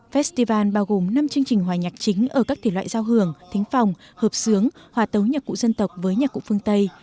festival bao gồm năm chương trình hòa nhạc chính ở các thể loại giao hưởng thính phòng hợp sướng hòa tấu nhạc cụ dân tộc với nhạc cụ phương tây